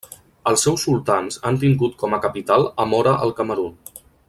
Els seus sultans han tingut com a capital a Mora al Camerun.